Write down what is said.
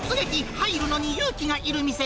入るのに勇気がいる店。